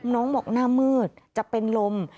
น้องบอกหน้ามืดจะเป็นลม